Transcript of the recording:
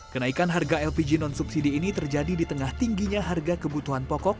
kenaikan harga lpg non subsidi ini terjadi di tengah tingginya harga kebutuhan pokok